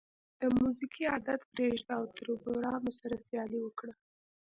د موزیګي عادت پرېږده او تربورانو سره سیالي وکړه.